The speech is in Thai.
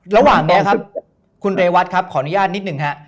ระหว่างนี้ครับคุณเรวัตครับขออนุญาตนิดหนึ่งฮะ